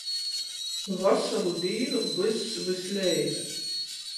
Vasalu dīnu vyss vysleidza.